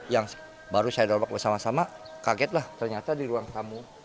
yang baru saya dobrak bersama sama kagetlah ternyata di ruang tamu